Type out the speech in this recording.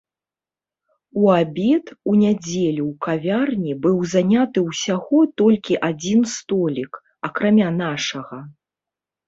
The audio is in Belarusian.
У абед у нядзелю ў кавярні быў заняты ўсяго толькі адзін столік, акрамя нашага.